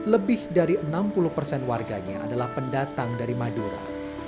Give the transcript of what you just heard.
lebih dari enam puluh persen warganya adalah pendatang dari madura